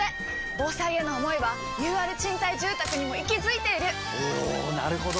防災への想いはＵＲ賃貸住宅にも息づいているおなるほど！